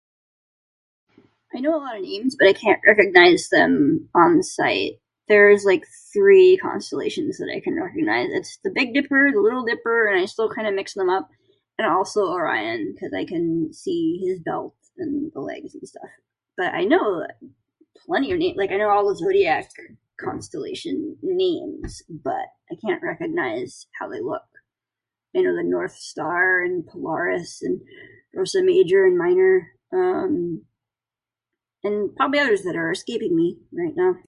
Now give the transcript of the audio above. I know a lot of names but I can't recognize them on sight. There's like three constellations that I can recognize: it's the big dipper, the little dipper, and I still kinda mix them up, and also Orion cuz I can see his belt and the legs and stuff. But I know plenty of names, like I know all those Zodiac constellation names. But, I can't recognize how they look. I know the North Star, and Polaris, and there's a major and minor... um, and probably others that are escaping me right now.